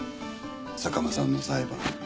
坂間さんの裁判。